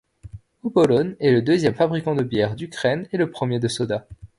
Obolon est le deuxième fabricant de bière d'Ukraine et le premier de soda.